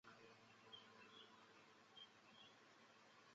本篇只介绍电视版。